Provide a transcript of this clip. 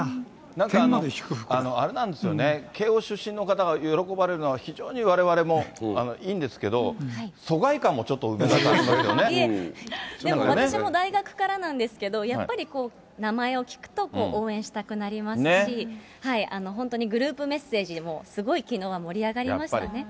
なんかあれなんですよね、慶応出身の方が喜ばれるのは、非常にわれわれもいいんですけど、でも私も大学からなんですけど、やっぱり名前を聞くと応援したくなりますし、本当にグループメッセージも、すごいきのうは盛り上がりましたね。